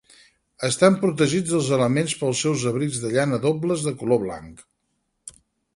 Estan protegits dels elements pels seus abrics de llana dobles de color blanc.